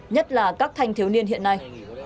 nhất là các thanh thiếu niên hiện nay